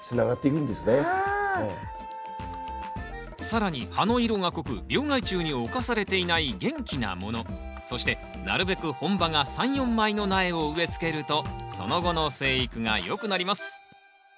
更に葉の色が濃く病害虫に侵されていない元気なものそしてなるべく本葉が３４枚の苗を植えつけるとその後の生育がよくなります。